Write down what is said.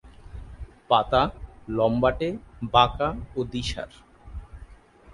পাতা লম্বাটে বাঁকা ও দ্বিসার।